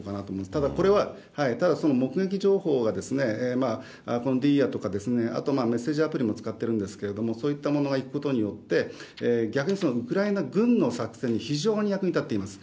ただこれは、その目撃情報がこのディーアとか、あと、メッセンジャーアプリも使っているんですけれども、そういったものが行くことによって、逆にウクライナ軍の作戦に非常に役に立っています。